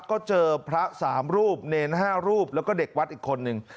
ก็เจอพระ๓รูปเนร๕รูปแล้วก็เด็กวัดอีกคนนึง